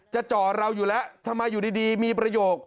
จ่อเราอยู่แล้วทำไมอยู่ดีมีประโยค